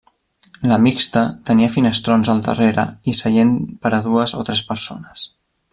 La mixta tenia finestrons al darrere i seient per a dues o tres persones.